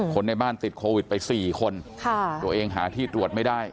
คนในบ้านติดโควิดไป๔คนตัวเองหาที่ตรวจไม่ได้